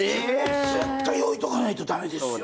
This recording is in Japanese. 絶対置いとかないと駄目ですよ！